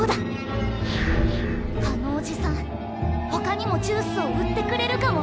心の声あのおじさんほかにもジュースを売ってくれるかも！